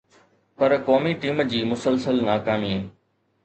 پر قومي ٽيم جي مسلسل ناڪامي